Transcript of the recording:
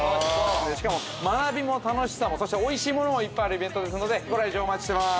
しかも学びも楽しさもそしておいしいものもいっぱいあるイベントですのでご来場お待ちしてます。